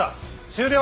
終了！